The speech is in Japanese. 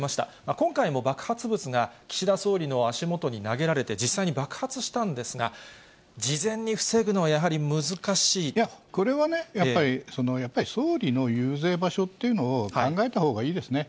今回も爆発物が岸田総理の足元に投げられて、実際に爆発したんですが、いや、これはね、やっぱり総理の遊説場所っていうのを考えたほうがいいですね。